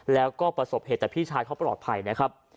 แล้วก็ประสบเหตุแต่พี่ชายเขาปลอดภัยนะครับ